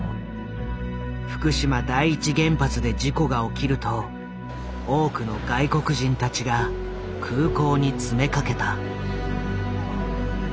福島第一原発で事故が起きると多くの外国人たちが空港に詰めかけた。